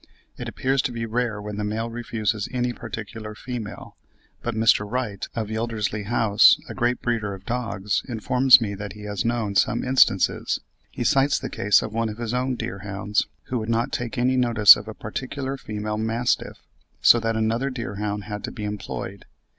It appears to be rare when the male refuses any particular female, but Mr. Wright, of Yeldersley House, a great breeder of dogs, informs me that he has known some instances; he cites the case of one of his own deerhounds, who would not take any notice of a particular female mastiff, so that another deerhound had to be employed.